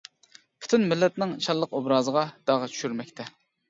پۈتۈن مىللەتنىڭ شانلىق ئوبرازىغا داغ چۈشۈرمەكتە.